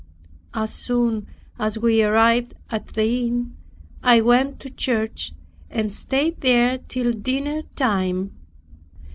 As soon as we arrived at the inn, I went to church and stayed there till dinner time.